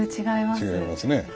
違いますね。